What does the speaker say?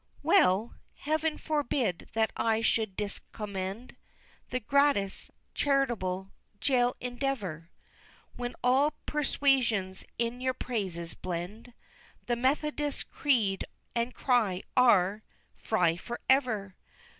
VII. Well! Heaven forbid that I should discommend The gratis, charitable, jail endeavor! When all persuasions in your praises blend The Methodist's creed and cry are, Fry forever!